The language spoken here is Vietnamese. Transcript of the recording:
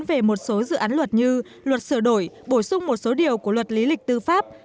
về một số dự án luật như luật sửa đổi bổ sung một số điều của luật lý lịch tư pháp